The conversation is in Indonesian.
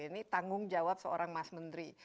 ini tanggung jawab seorang mas menteri